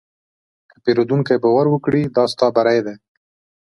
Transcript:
که پیرودونکی باور وکړي، دا ستا بری دی.